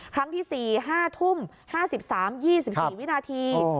ครั้งที่๔๕ทุ่ม๕๓๒๔วินาที